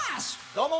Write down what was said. どうも。